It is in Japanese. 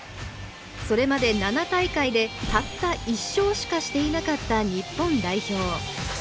それまで７大会でたった１勝しかしていなかった日本代表。